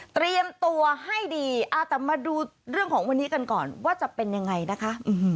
เตรียมตัวให้ดีแต่มาดูเรื่องของวันนี้กันก่อนว่าจะเป็นยังไงนะคะ